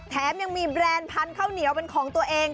แถมยังมีแบรนด์พันธุ์ข้าวเหนียวเป็นของตัวเอง